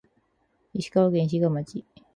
石川県志賀町